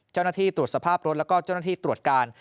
เจ้าหน้าที่ตรวจสภาพรถแล้วก็เจ้าหน้าที่ตรวจการ